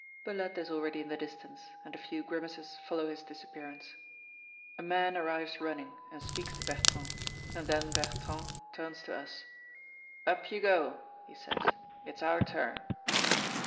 Billette is already in the distance, and a few grimaces follow his disappearance. A man arrives running, and speaks to Bertrand, and then Bertrand turns to us "Up you go," he says, "it's our turn."